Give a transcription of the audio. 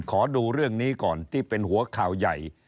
ขอดูเรื่องนี้ก่อนที่เป็นหัวข่าวใหญ่